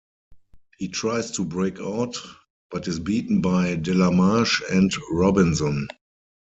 He tries to break out, but is beaten by Delamarche and Robinson.